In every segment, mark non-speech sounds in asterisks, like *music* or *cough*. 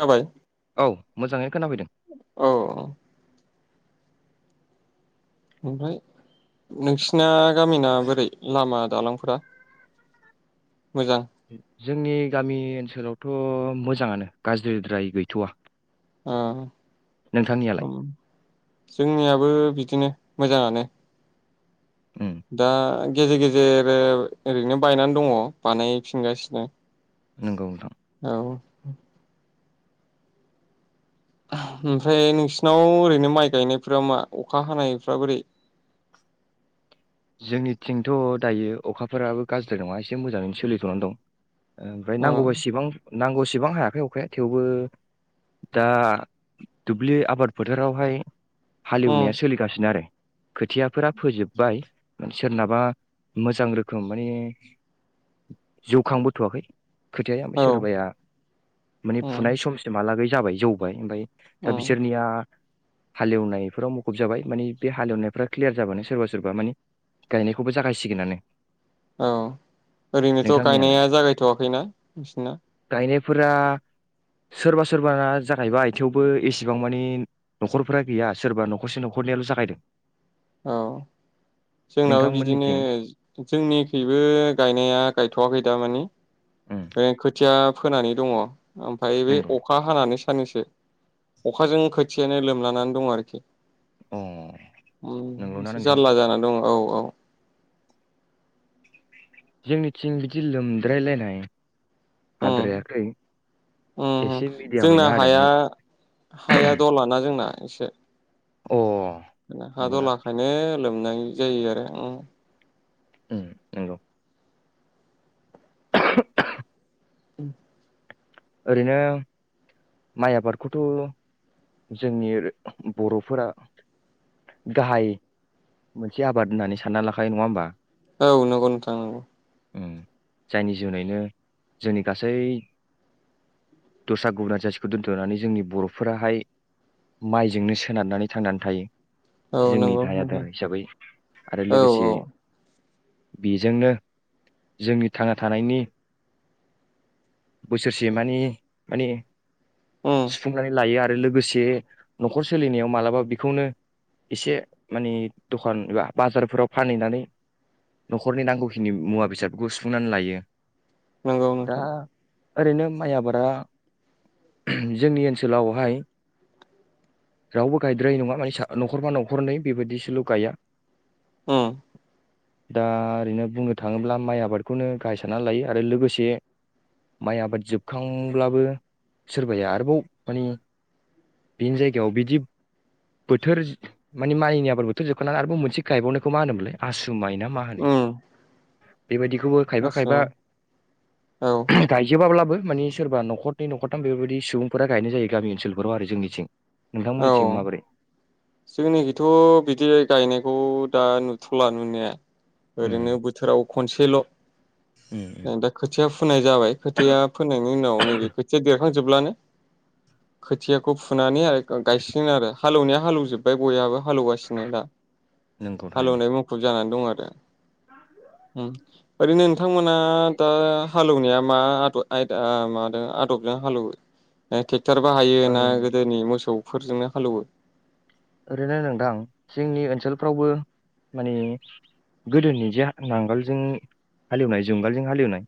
खोनाबाय औ मोजाङैनो खोनाफैदों। औ ओमफ्राय नोंसिना गामिना बोरै लामा दालांफोरा? मोजां जोंनि गामि ओनसोलावथ मोजाङानो गाज्रिद्राय गैथवा ओ नोंथांनियालाय उम जोंनियाबो बिदिनो। मोजाङानो। उम दा गेजेर-गेजेर ओ ओरैनो बायनानै दङ बानायफिनगासिनो नोंगौ नोंथां। औ ओमफ्राय नोंसिनाव ओरैनो माइ गायनायफोरा मा अखा हानायफ बोरै? जोंनिथिंथ दायो अखाफोराबो गाज्रि नङा एसे मोजाङैनो सोलिथनानै दं। ओ मफ्राय नांगौबासेबां नांगौसिबां हायाखै अखाया थेवबो दा दुब्लि आबाद फोथारावहाय उम हालेवनाया सोलिगासिनो आरो खोथियाफोरा फोजोब्बाय सोरनाबा मोजां रोखोम माने जौखांबोथवाखै खोथाया औ ओमफ्राय सोरबाया माने उम फुनाय समसिमहालागै जाबाय जौबाय ओमफ्राय दा उम बिसोरनिया हालेवनायफोराव मुुब जाबाय मानानि बे हालेवनायफ्रा क्लियार जाबानो सोरबा सोरबा माने गायनायखौबो जागायसिगोनानो। औ ओरैनोथ नोंथांनियालाय गायनाया जागायथवाखैना नोंसिना? फोरा सोरबा सोरबा जागायबा थेवबो एसेबां मानि न'खरफोरा गैया सोरबा नखरसे नखरनियाल जागायदों। औ जोंनाबो बिदिनो नोंथांमोननिथिं जोंनिखैबो गायनाया गायथवाखै दा मानि। उम बे खोथिया फोनानै दङ ओमफफ्राय बे नंगौ अखा हानानै सो साननैसो अखाजों खोथियानो लोमलानानै दं आरोखि अ उम नंगौना एसे नोंथां जारला जाना दङ औ औ जोंनिथिं बिदि लोमद्रायलायनाय उम हाद्रायाखै उम उम एसे जोंना मिडियामैनो हादों हाया-हाया दलाना जोंना इसे अ हा नंगौना द'लाखायनो लोमनाय जायो आरो उम उम नंगौ *unintelligible* उ ओरैनो माइ आबादखौथ' जोंनि बर'फोरा गाहाय मोनसे आबाद होननानै सानना लाखायो नङा होमबा औ नंगौ नोंथां नंगौ उम जायनि जुनैनो जोंनि गासै दस्रा गुबुना जाथिखौ दोन्थ'नानै जोंनि बर'फोराहाय माइजोंनो सोनारनानै थांनानै थायो । नंगौ औ जोंनि नंगौ गाहाय नोंथां आदार हिसाबै आरो औ औ लोगोसे बेजोंनो जोंनि थांना थानायनि बोसोरसे माने-माने उम सुफुंनानै लायो आ लोगोसे न'खर सोलिनायाव मालाबा बिखौनो एसे माने दखान एबा बाजारफोराव फानहैनानै न'खरनि नांगौखिनि मुवा बेसादफोरखौ सुफुंनानै लायो नोंगौ दा नोंथां ओरैनो माइ आबादा जोंनि ओनसोलावहाय रावबो गायद्राय नङा माने न'खरबा न'खरनै बेबायदिसोल' गाया उम दा ओरैनो बुंनो थाङोब्ला माइ आबादखौनो गाहाय सानना लायो आरो लोगोसे माइ आबाद जोबखांब्लाबो सोरबाया आरोबाव मानि बेनि जायगायाव बिदि बोथोर माने माइनि आबाद बोथोर जोबखांनानै आरोबाव मोनसे गायबावनायखौ मा होनोमोनले आसु मायना मा होनो? उम बेबायदिखौबो आस्सा खायफा-खायफा औ गायजोबाब्लाबो मानि सोरबा न'खरनै न'खरथाम बेफोरबायदि सुबुंफोरा गायनाय जायो गामि ओनसोलफोराव आरो जोंनिथिं । औ जोंनिखिथ' बिदि गायनायखौ दा नुथ'ला नुनाया ओरैनो उम, बोथोराव खनसेल' उम, उम, दा खोथिया फोनाय जाबाय खोथिया फोनायनायनि उनाव नैबे खोथिया देर खांजोबब्लानो खोथियाखौ फुनानै आरो गायसिगोन आरो हालौवनाया हालौव जोब्बाय बयहाबो हालेवगासिनो दा नंगौ थारैनो हालेवनाय मुखुब जानानै दं आरो ओरैनो नोंथांमोन दा हालौनाया मा आद-आयदा मादों आदबजों हालेवो? ओ थे टार बा हायो ना ओरै गोदोनि मोसौफोरजोंनो हालोवो ओरैनो नोंथां जोंनि ओनसोलफ्रावबो मानि गोदोनि जे नांगोलजों हालेवनाय जुंगालजों हालेवनाय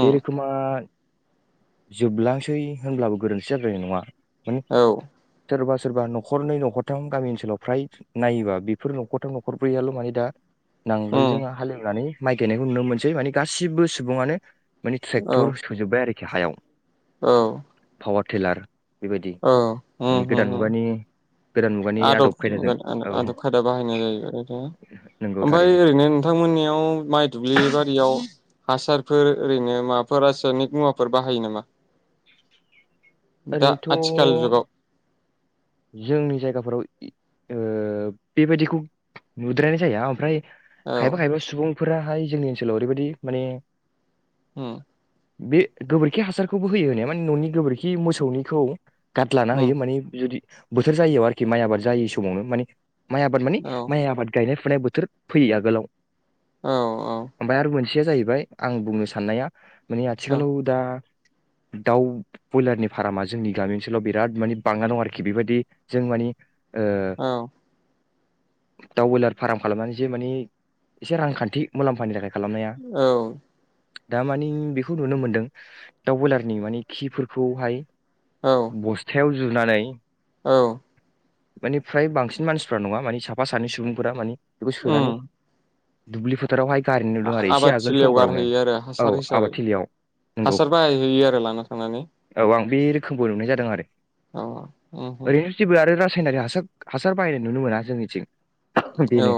बे रखोमा जोबलांसै होनब्लाबो गोरोन्थि जाद्रायनाय नङा माने औ सोर बास सोरबा नखरनै नख थाम गामि ओनसोलाव फ्राय नायोबा बेफोर न'खरथाम न'खरब्रैयाल' माने दा‌ नांगोल उम जों हालेवनानै माइ गायनायखौ नुनो मोनसै माने गासिबो सुबुङानो मानि औ ट्रेक्टर सोजोबबाय आरोखि हायाव औ पावारटिलार औ गोदान मुगानि *unintelligible* आदब खायदाजों आदबगोन औ आदब खायदा बाहायनाय जायोबाय नंगौ ओमफाय थारैनो ओरैनो नोंथांमोननियाव माय दुब्लि बारियाव हासार फोर ओरैनो माबाफोर रासायनिक मुवाफोर बाहायो नामा? दा आथिखाल ओरैनोथ' जुगाव जोंनि जायगाफोराव ओ बेबायदिखौ नुद्रायनाय जाया ओमफ्राय खायफा औ खायफा सुबुं फोराहाय जोंनि ओनसोलाव ओरैबायदि माने होम बे गोबोरखि हासारखौबो होयो होनाया माने न'नि गोबोरखि मोसौनिखौ गार्डलाना उम होयो माने जुदि बोथोर जायो आरोखि माइ आबाद जायै समावनो माने माइ आबाद मानि औ माइ आबाद गायनाय *unintelligible* बोथोर फैयो आगोलाव औ औ सेया जाहैबाय आं बुंनो साननाया माने औ आथिखालाव दा दाउ ब्रयलारनि फार्मआ जोंनि गामि ओनसोलाव बिराद माने बांना दं आरोख खि बेबायदि जों मानि ओ औ दाउ वयलार फार्म खालामनानैसो माने एसे रांखान्थि मुलाम्फानि थाखाय खालामनाया औ दा मानि बेखौ नुनो मोनदों दाउ बयलारनि मानि खिफोरखौहाय। औ बस्थायाव जुनानै औ। मानि फ्राय बांसिन मानसिफोरा नङा मानि साफा सानै सुबुंफोरा मानि बेखौ सोनानै दुब्लि फोथारावहाय गारहैनाय नुदों आरो एसे आबाद आगोल थिलियाव समफोरावनो गारहैयो आरो औ हासार हिसाबै आबादथिलियाव नंगौ हासार बाहायहैयो आरो लाना थांनानै। औ आं बे रोखोमबो नुनाय जादों आरो। औ उम उम ओरैनो जेबो आरो। सायनारि हासार हासार बाहायनाय नुनो मोना जोंनिथिं। औ बेनो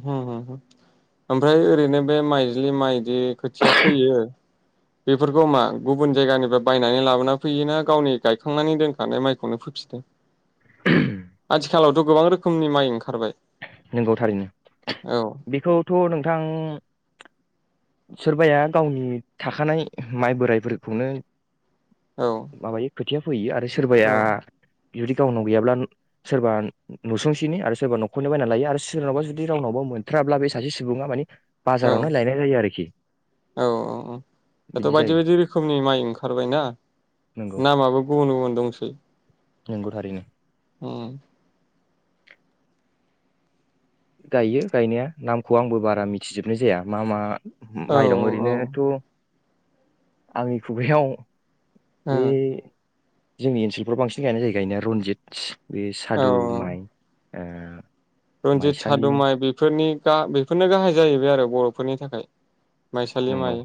*inaudible* ओमफ्राय ओरैनो बे माइ- बे माइ बिदि खोथिया फैयो। बेफोरखौ मा गुबुन जायगानिफ्राय बायनानै लाबोना फोयोना गावनि गायखांनानै दोनखानाय माइखौनो फोफिनदों आथिखालावथ' गोबां रोखोमनि माइ ओंखार नंगौ थारैनो औ बेखौथ' नोंथां। सोरबाया गावनि थाखानाय माइ बोराइफोरखौनो। औ माबायो खो। खोथिया फोयो आरो। सोरबाया। औ जुदि गावनाव गैयाब्ला सोरबा नुसुंसेनि आरो सोरबा न'खर बायना लायो आरो सोरनावबा जुदि रावनावबो मोनथाराब्ला बे सासे सुबुङा मानि औ बाजारावनो लायनाय जायो आरोखि औ औ औ दाथ' बिदि बायदि जायो बायदि रोखोमनि माइ ओंखारबायना नंगौ नामाबो गुबुन गुबुन। दंसै। नंगौ थारैनो। उम। गायो गायनाया नामखौ आंबो बारा मिथिजोबनाय जाया मा मा। औ माइ दं औ ओरैनोथ'। आंनि खुगायाव ओ बे। जोंनि ओनसोलफ्राव बांसिन गायनाय जायो गायनाया रनजित बे औ सादु माइ। ओ। रनजित माइसालि सादुमाइ बेफोरनि बेफोरनो गाहाय जाहैबाय आरो बर' फोरनि थाखाय माइसालि नंगौ माइ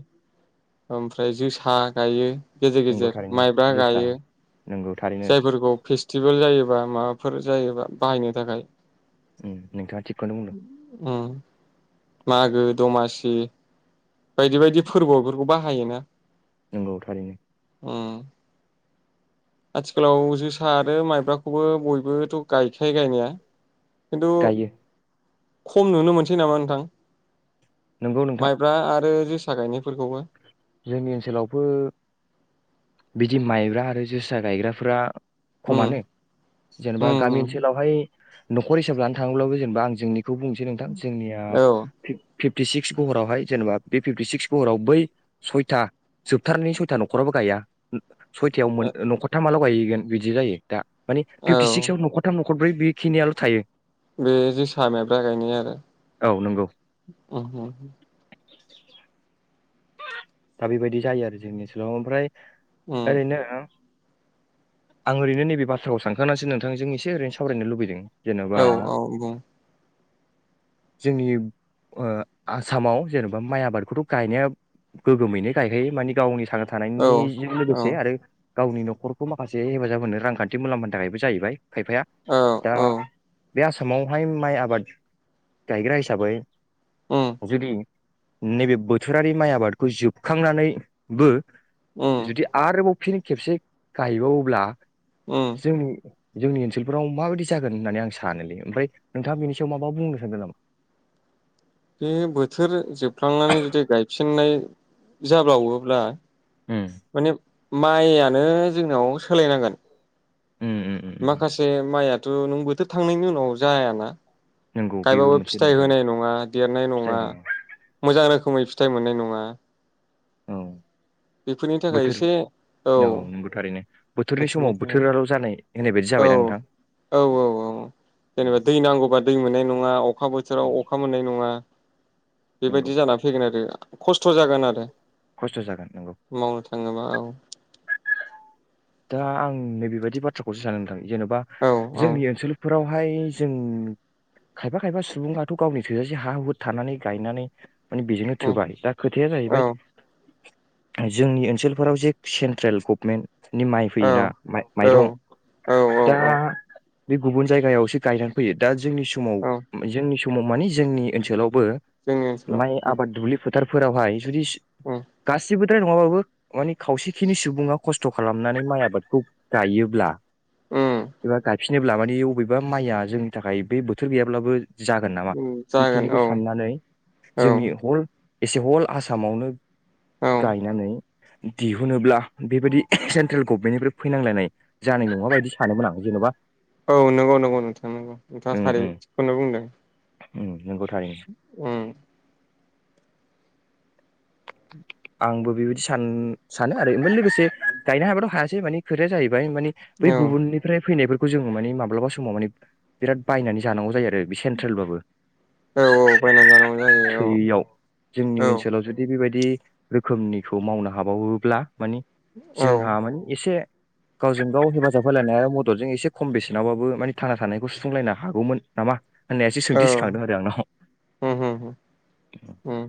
ओमफ्राय जोसा गायो गेजेर नंगौ गेजेर थारैनो माइब्रा जोसा गायो नंगौ थारैनो जायफोरखौ फेस्टिभेल जायोबा माबाफोर *unintelligible* जायोबा बाहायनो थाखाय उम नोंथाङा थिगखौनो बुंदों ओम मागो दमासि उम बायदि बायदि फोरबो *unintelligible* बाहायोना नंगौ थारैनो उम आथिखालाव जोसा आरो माइब्रा खौबो बयबोथ गायखायो गायनाया खिन्थु गायो खम नुनो मोनसै नामा नोंथां नंगौ नोंथां माइब्रा आरो जोसा जोसा गायनायफोरखौबो जोंनि ओनसोलावबो बिदि माइब्रा आरो जोसा गायग्राफोरा उम खमानो जेनेबा उम गामि उम ओनसोलावहाय नखर हिसाब लानो थाङोब्लाबो जेनेबा आं जोंनि खौ बुंनोसै नोंथां जोंनिया औ फिफ्टि सिक्स गहराव हाय जेनेबा बे फिफ्टिसिक्स गहराव बै सयथा जोबथारनायनि सयथा नखराबो गाया सयथायाव मोन ओ नखरथामा ल गाय गोन बिदि जायो दा माने औ फिफ्टिक्सआव नखर थाम न खरब्रै बेखिनियाल थायो बे जोसा मायब्रा गायनाय आरो औ नंगौ उम उम दा बेबायदि जायो आरो जोंनि ओनसोलाव ओमफ्राय उम ओरैनो ओ आं ओरैनो नैबे बाथ्राखौ सानखांनासो नोंथांजों एसे ओरैनो सावरायनो लुबैदों जेन'बा औ औ बुं जोंनि ओ आसामाव जेनेबा माइ आबादखौथ गायनाया गोगोमैनो गायखायो माने गावनि *unintelligible* औ थानायनिजों औ लोगोसे आरो गावनि न'खरखौ माखासे हेफाजाब होनो रांखान्थि मुलाम्फानि थाखायबो जाहैबाय। खायफाया औ दा औ बे आसामावहाय माइ आबाद गायग्रा हिसाबै उम जुदि नैबे बोथोरारि माइ आबाद खौ जोबखांनानैबो उम जुदि आरोबाव फिन खेबसे गायबावोब्ला उम जोंनि जोंनि ओनसोलफोराव माबायदि जागोन होननानै आं सानोलै ओमफ्राय नोंथाङा बेनि सायाव माबा बुंनो सानदों नामा? बे बोथोर जोबफ्लांनानै जुदि गायफिननाय जाब्लावोब्ला उम माने माइयानो जोंनाव सोलायनांगोन उम उम उम उम थो नोंबोथ' थांनायनि उनाव जायाना। नंगौ बेबो गायबाबो मोनसे फिथाइ नंथारै होनाय नङा देरनाय फिथाइ नङा होनाय मोजां रोखोमै फि फिथाइ मोननाय नङा। औ बेफोरनि थाखाय बोथोर एसे औ । नंगौ थारैनो बोथोरनि समाव थाखाय बोथोराल' जानाय होननाय बायदि औ जाबायना नोंथां? औ औ औ उम, जेनेबा दै नांगौबा दै मोननाय नङा अखा उम, बोथोराव अखा मोननाय नङा। नंगौ बेबायदि जानानै फैगोन आरो खस्थ' जागोन आरो खस्थ' जागोन नंगौ। मावनो थाङोबा औ। दा आं नैबेबायदि बाथ्राखौसो सानो नोंथां जेनेबा औ औ जोंनि ओनसोलफोराव बेहाय जों खायफा खायफा सुबुआथ' गावनि थोजासे हा हु थानानै गायनानै माने बेजोंनो औ थोबाय दा खोथाया औ जाहैबाय जोंनि ओनसोलफोराव जे सेन्ट्रेल गभमेन्ट नि माइ फैयोना माइरं औ औ दा औ बे गुबुन जायगायावसो गायनानै फैयो दा जोंनि समाव औ जोंनि स माव माने जोंनि ओनसोलाव बो जोंनि ओनसोलाव माइ उम आबाद दुब्लिफोथ फोथार फोरावहाय। जुदिस उम गासिबो *unintelligible* मानि खावसिखिनि सुबुङा खस थ' खालामनानै माइ आबादखौ गायोब्ला उम एबा गायफिनोब्ला मानि बबेबा माइया जोंनि थाखाय बे बोथोर गैयाब्लाबो जागोन नामा जागोन बेखिनिखौ औ साननानै औ जोंनि हल एसे हल आसामावनो औ गायनानै दिहुनोब्ला बेबादि सेन्ट्रेल गभमेन्टनिफ्राय फैनांलायनाय जानाय नङा बायदि सानोमोन आं जेन'बा औ नंगौ नंगौ नोंथां नंगौ नोंथाङा उम उम थारिखौनो बुंदों। उम नंगौ थारैनो। उम आंबो बेबायदि सान सानो आरो ओमफाय लोगोसे *unintelligible* हायासै मानि खोथाया जाहै बाय माने बै औ गुबुननिफ्राय फैनाय जों माने माब्लाबा समाव माने बिराद बायनानै जानांगौ जायो आरो बे बे सेनट्रेलबाबो औ औ बायनानै जानांगौ जायो थोयियाव जोंनि औ ओनसोलाव जुदि बेबाय बि रोखोमनिखौ मावनो हाबावोब्ला मानि औ जोंहा मानि एसे गावजों गाव हेफाजाब होलायनाय मददजों एसे खम बेसेनावबाबो माने थांना थानायखौ सुफुंलायनो हागौमोन नामा होननायासो औ सोंथि सिखांदों आरो आंनाव। उम उम उम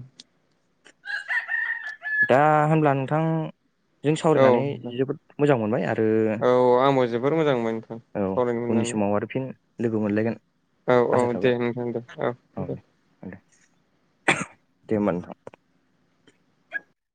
दा होनब्ला नोंथां औ सावरायनानै जोबोद मोजां मोनबाय आरो औ आंबो जोबोर मोजां मोनबाय नोंथां औ सावरायनो उननि मोननानै समाव आरो फिन लोगो मोनलायगोन औ औ आसा दे थाबाय नोंथां दे औ दे। दे होनबा नोंथां।